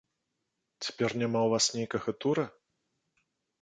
Цяпер няма ў вас нейкага тура?